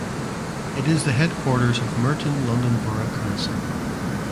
It is the headquarters of Merton London Borough Council.